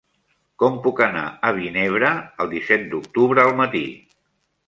Com puc anar a Vinebre el disset d'octubre al matí?